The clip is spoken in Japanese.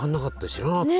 知らなかった。